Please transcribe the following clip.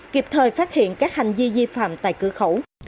kịp thời phát hiện các hành vi di phạm tại cửa khẩu